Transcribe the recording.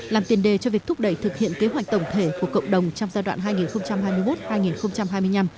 làm tiền đề cho việc thúc đẩy thực hiện kế hoạch tổng thể của cộng đồng trong giai đoạn hai nghìn hai mươi một hai nghìn hai mươi năm